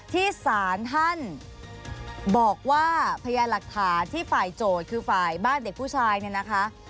ที่สารท่านบอกว่าพยานหลักฐานที่ฝ่ายโจทย์คือฝ่ายบ้านเด็กผู้ชายเนี่ยนะคะ